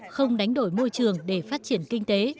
không đánh đổi môi trường để phát triển kinh tế